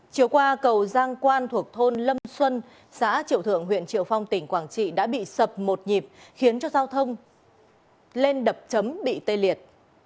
chiều qua cầu giang quan thuộc thôn lâm xuân xã triệu thượng huyện triệu phong tỉnh quảng trị đã bị sập một nhịp khiến cho giao thông lên đập chấm bị tê liệt